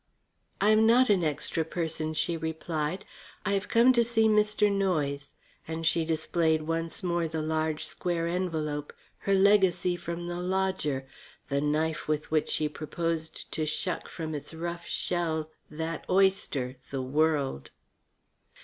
"I am not an extra person," she replied. "I have come to see Mr. Noyes," and she displayed once more the large square envelope, her legacy from the lodger, the knife with which she proposed to shuck from its rough shell that oyster, the world.